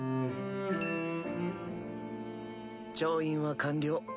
調印は完了。